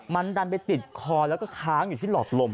มันดันไปติดคอแล้วก็ค้างอยู่ที่หลอดลม